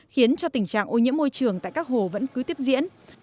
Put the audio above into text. khiến cho tình trạng ô nhiễm môi trường tại các hồ vẫn cứ tiếp diễn